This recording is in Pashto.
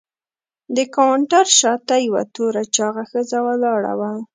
د کاونټر شاته یوه توره چاغه ښځه ولاړه وه.